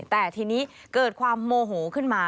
แต่ทีนี้เกิดความโมโหขึ้นมา